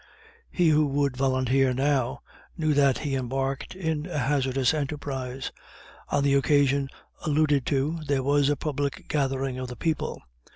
He who would volunteer now, knew that he embarked in a hazardous enterprise. On the occasion alluded to, there was a public gathering of the people.